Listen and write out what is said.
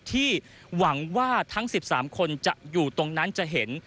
ที่หวังว่าทั้ง๑๓คนจะอยู่ตรงนั้นจะเห็น